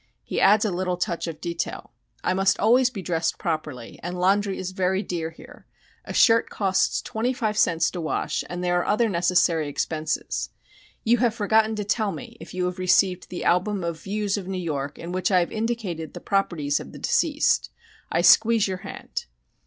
He adds a little touch of detail. "I must always be dressed properly, and laundry is very dear here a shirt costs twenty five cents to wash, and there are other necessary expenses.... You have forgotten to tell me if you have received the album of views of New York in which I have indicated the properties of the deceased, I squeeze your hand."